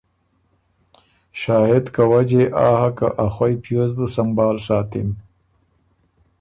شاهد که وجه يې آ هۀ که ا خوئ پیوز بُو سمبهال ساتِم۔